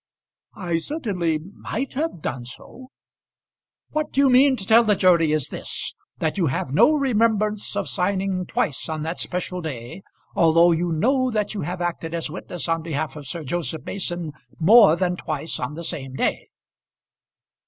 "I certainly might have done so." "What you mean to tell the jury is this: that you have no remembrance of signing twice on that special day, although you know that you have acted as witness on behalf of Sir Joseph Mason more than twice on the same day?"